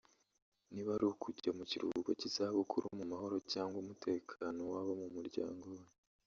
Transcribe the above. niba ari ukujya mu kiruhuko cy’izabukuru mu mahoro cyangwa umutekano w’abo mu muryango we